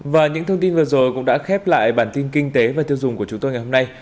và những thông tin vừa rồi cũng đã khép lại bản tin kinh tế và tiêu dùng của chúng tôi ngày hôm nay